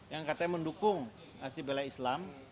yang katanya mendukung asibela islam